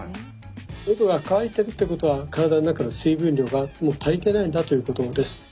のどが渇いてるってことは体の中の水分量が足りてないんだということです。